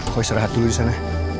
kau istirahat dulu disana